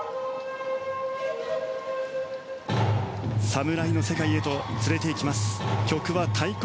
「サムライ」の世界へと連れていきます。